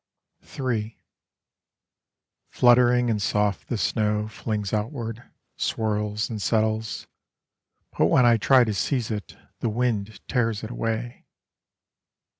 III Fluttering and soft the snow Flings outward, swirls and settles, But when I try to seize it, The wind tears it away.